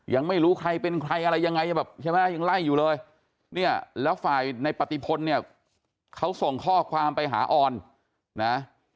ยังไม่รู้ใครเป็นใครอะไรยังไงแบบใช่ไหมยังไล่อยู่เลยเนี่ยแล้วฝ่ายในปฏิพลเนี่ยเขาส่งข้อความไปหาออนนะ